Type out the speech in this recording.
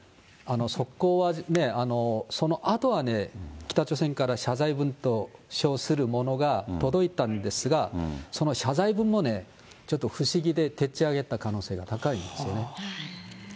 そこはね、そのあとはね、北朝鮮から謝罪文と称するものが届いたんですが、その謝罪文もね、ちょっと不思議ででっちあげた可能性が高いんですよね。